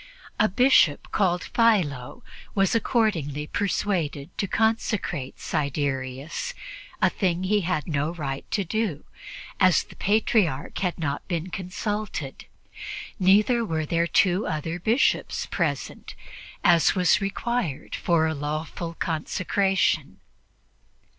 A Bishop called Philo was accordingly persuaded to consecrate Siderius, a thing he had no right to do, as the Patriarch had not been consulted; neither were there two other Bishops present, as was required for a lawful consecration.